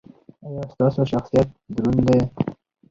ایا ستاسو شخصیت دروند دی؟